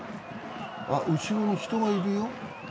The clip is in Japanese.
後ろに人がいるよ。